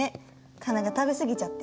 佳奈が食べ過ぎちゃって。